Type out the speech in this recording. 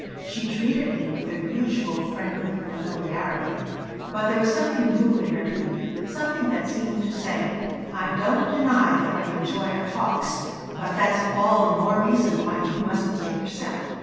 She treated me with her usual friendly familiarity, but there was something new in her demeanor, something that seemed to say, "I don't deny that I enjoy our talks, but that's all the more reason why you must behave yourself."